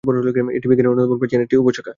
এটি বিজ্ঞানের অন্যতম প্রাচীন একটি উপশাখা।